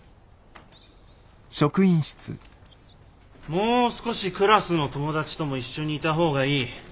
もう少しクラスの友達とも一緒にいた方がいい。